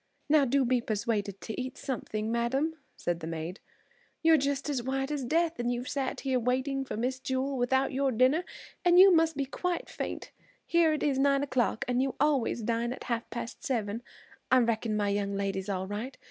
"Now do be persuaded to eat something, madam," said the maid. "You're just as white as death, and you've sat here waiting for Miss Jewel, without your dinner and you must be quite faint. Here it's nine o'clock, and you always dine at half past seven. I reckon my young lady's all right.